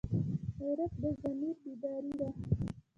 غیرت د ضمیر بیداري ده